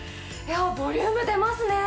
ボリューム出ますね！